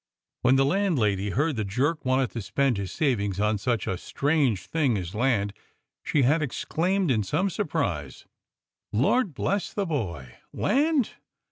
When the landlady heard that Jerk wanted to spend his savings on such a very strange thing as land she had exclaimed in some surprise: "Lord bless the boy! Land.